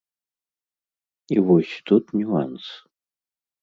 І вось тут нюанс.